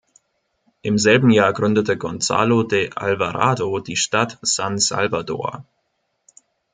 Im selben Jahr gründete Gonzalo de Alvarado die Stadt San Salvador.